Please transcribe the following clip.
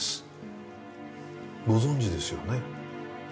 ご存じですよね？